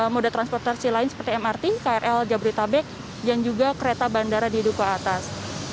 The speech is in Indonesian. mode transportasi lain seperti mrt krl jabri tabek dan juga kereta bandara di dukuh atas